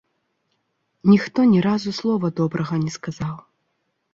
Ніхто ні разу слова добрага не сказаў.